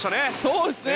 そうですね。